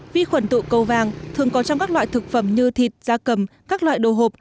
vi khuẩn tụ cầu vàng thường có trong các loại thực phẩm như thịt da cầm các loại đồ hộp